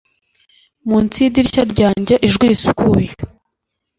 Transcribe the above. Munsi yidirishya ryanjye ijwi risukuye